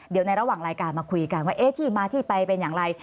เดี๋ยวในระหว่างรายการมาคุยกันว่าเอ๊ะที่มาที่ไปเป็นอย่างไร